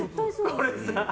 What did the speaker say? これさ。